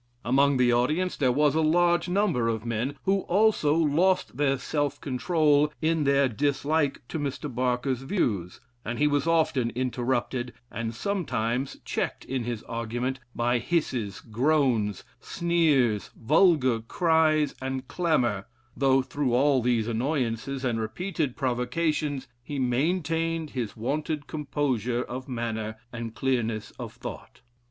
Among the audience, there was a large number of men, who also lost their self control in their dislike to Mr. Barker's views, and he was often interrupted, and sometimes checked in his argument, by hisses, groans, sneers, vulgar cries, and clamor, though through all these annoyances and repeated provocations, he maintained his wonted composure of manner and clearness of thought.